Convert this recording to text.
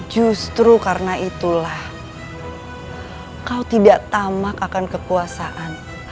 justru karena itulah kau tidak tamak akan kekuasaan